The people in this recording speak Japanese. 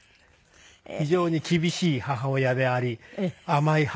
非常に厳しい母親であり甘い母親であり。